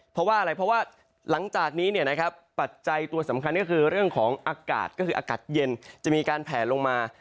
เพราะว่าเรื่องอากาศอากาศเย็นจะมีการแพลลงมา